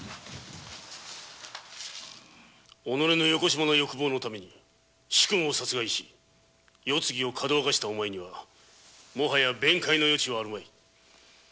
己の邪悪な欲望のために主君を殺害し世継ぎをかどわかしたお前にもはや弁解の余地はあるまい。